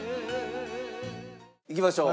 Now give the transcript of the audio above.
いきましょう。